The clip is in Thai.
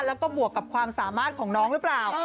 แล้วก็บวกกับความสามารถของน้องหรือเปล่า